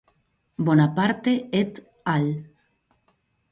Bonaparte "et al.